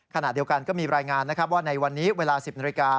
ขณะเดียวกันก็มีรายงานนะครับว่าในวันนี้เวลา๑๐นาฬิกา